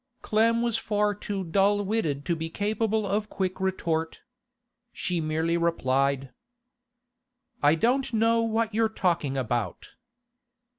Clem was far too dull witted to be capable of quick retort. She merely replied: 'I don't know what you're talking about.